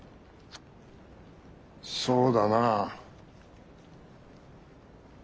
そうだな。